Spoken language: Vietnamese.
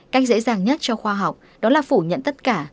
cách dễ dàng nhất cho khoa học đó là phủ nhận tất cả